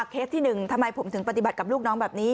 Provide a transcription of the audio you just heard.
เคสที่๑ทำไมผมถึงปฏิบัติกับลูกน้องแบบนี้